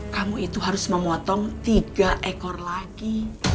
kamu itu harus memotong tiga ekor lagi